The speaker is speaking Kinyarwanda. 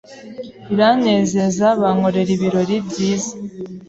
biranezeza bankorera ibirori byiza